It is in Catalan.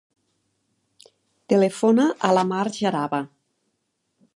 Telefona a la Mar Jaraba.